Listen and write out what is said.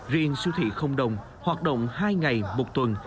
riêng siêu thị không đồng hoạt động hai ngày một tuần